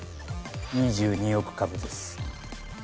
２２億株です